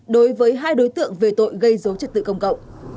đối với hai đối tượng về tội gây dối trật tự công cộng